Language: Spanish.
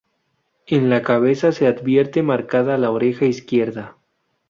En la cabeza se advierte marcada la oreja izquierda.